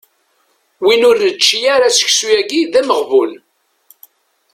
Win ur nečči ara seksu-yagi d ameɣbun.